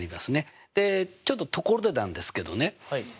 でちょっとところでなんですけどね